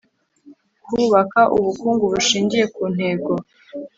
kubaka ubukungu bushingiye ku ntego